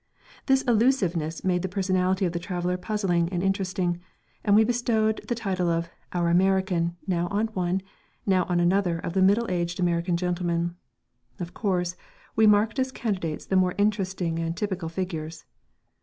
This elusiveness made the personality of the traveller puzzling and interesting, and we bestowed the title of "Our American" now on one, now on another of the middle aged American gentlemen. Of course, we marked as candidates the more interesting and typical figures.